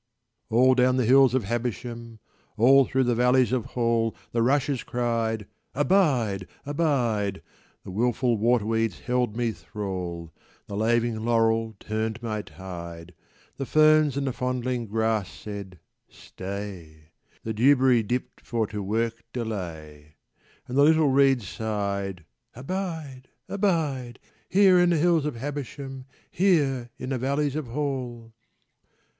All down the hills of Habersham, All through the valleys of Hall, The rushes cried `Abide, abide,' The willful waterweeds held me thrall, The laving laurel turned my tide, The ferns and the fondling grass said `Stay,' The dewberry dipped for to work delay, And the little reeds sighed `Abide, abide, Here in the hills of Habersham, Here in the valleys of Hall.'